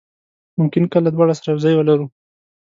ممکن کله دواړه سره یو ځای ولرو.